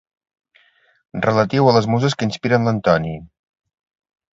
Relatiu a les muses que inspiren l'Antoni.